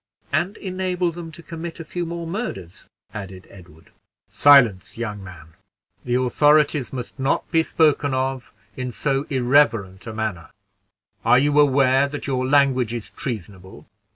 "And enable them to commit a few more murders," added Edward. "Silence, young man; the authorities must not be spoken of in so irreverent a manner. Are you aware that your language is treasonable?"